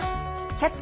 「キャッチ！